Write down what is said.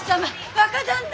若旦那！